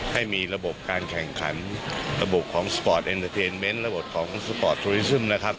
ให้มีระบบการแข่งขันระบบของสปอร์ตเอ็นเตอร์เทนเมนต์ระบบของสปอร์ตโทรลิซึมนะครับ